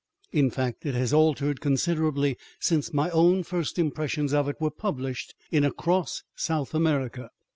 In fact it has altered considerably since my own first impressions of it were published in "Across South America."